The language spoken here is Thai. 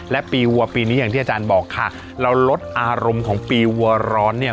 และปีวัวปีนี้อย่างที่อาจารย์บอกค่ะเราลดอารมณ์ของปีวัวร้อนเนี่ย